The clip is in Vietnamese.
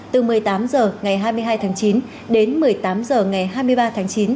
từ một mươi tám h ngày hai mươi hai tháng chín đến một mươi tám h ngày hai mươi ba tháng chín